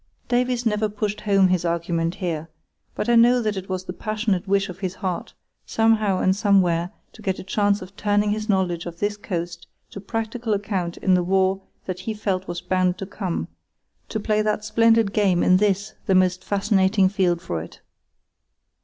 Davies never pushed home his argument here; but I know that it was the passionate wish of his heart, somehow and somewhere, to get a chance of turning his knowledge of this coast to practical account in the war that he felt was bound to come, to play that "splendid game" in this, the most fascinating field for it.